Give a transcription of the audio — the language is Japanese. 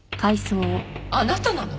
あなたなの？